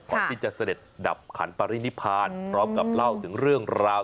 ที่จะเสด็จดับขันปรินิพานพร้อมกับเล่าถึงเรื่องราว